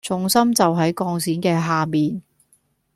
重心就喺鋼線嘅下面